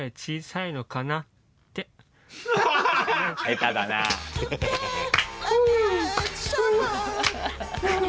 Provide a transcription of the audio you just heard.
下手だなあ。